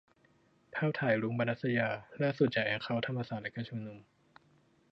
ภาพถ่าย 'รุ้ง-ปนัสยา' ล่าสุดจากแอคเคาท์ธรรมศาสตร์และการชุมนุม